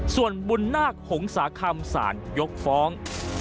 ส่วนบุญนาคหงษาคำสารยกฟ้อง